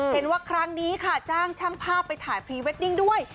เห็นว่าครั้งนี้ค่ะจ้างช่างภาพไปถ่ายพรีเวดดิ้งด้วย